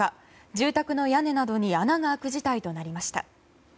住宅の屋根などに穴が開く事態となりました。